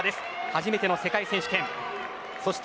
初めての世界選手権です。